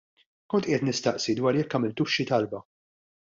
Kont qiegħed nistaqsi dwar jekk għamiltux xi talba.